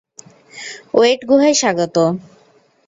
ওয়েড গুহায় স্বাগত।